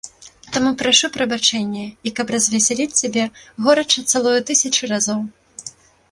Таму прашу прабачэння і, каб развесяліць цябе, горача цалую тысячу разоў.